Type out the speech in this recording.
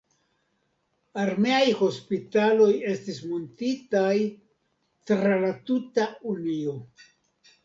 Armeaj hospitaloj estis muntitaj tra la tuta Unio.